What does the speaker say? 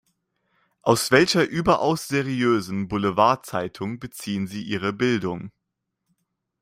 Aus welcher überaus seriösen Boulevardzeitung beziehen Sie Ihre Bildung?